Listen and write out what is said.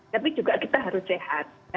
tapi juga kita harus sehat